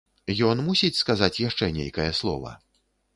Ён мусіць сказаць яшчэ нейкае слова?